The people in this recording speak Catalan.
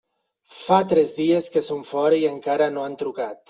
Fa tres dies que són fora i encara no han trucat.